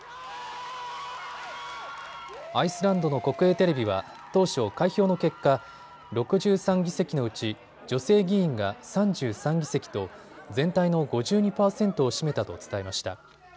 アイスランドの国営テレビは当初、開票の結果、６３議席のうち女性議員が３３議席と全体の５２％を占めたと伝えました。